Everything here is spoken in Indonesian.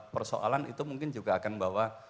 persoalan itu mungkin juga akan membawa